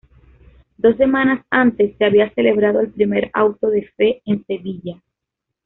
Dos semanas antes se había celebrado el primer auto de fe en Sevilla.